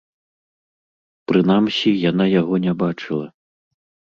Прынамсі, яна яго не бачыла.